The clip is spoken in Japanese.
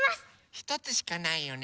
ひとつしかないよね。